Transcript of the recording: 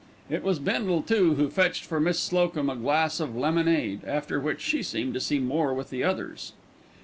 It was Bindle, too, who fetched for Miss Slocum a glass of lemonade, after which she seemed to see more with the others.